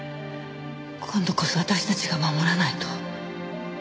今度こそ私たちが守らないと。